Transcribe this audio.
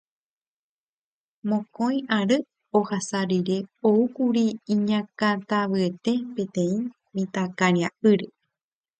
Mokõi ary ohasa rire oúkuri iñakãtavyete peteĩ mitãkaria'ýre.